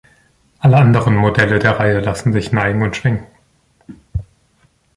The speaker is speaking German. Alle anderen Modelle der Reihe lassen sich neigen und schwenken.